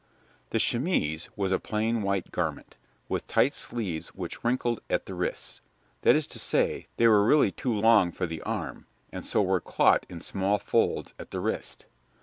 The chemise was a plain white garment, with tight sleeves which wrinkled at the wrists; that is to say, they were really too long for the arm, and so were caught in small folds at the wrist.